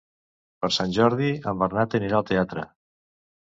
Per Sant Jordi en Bernat anirà al teatre.